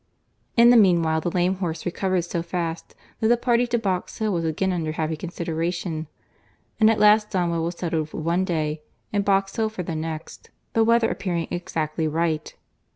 In the meanwhile the lame horse recovered so fast, that the party to Box Hill was again under happy consideration; and at last Donwell was settled for one day, and Box Hill for the next,—the weather appearing exactly right.